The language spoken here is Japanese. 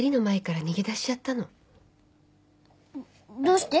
どうして？